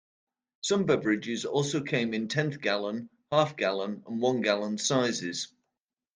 Some beverages also came in tenth-gallon, half-gallon and one-gallon sizes.